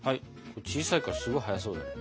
小さいからすごい早そうだね。